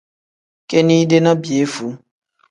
Kinide ni piyefuu.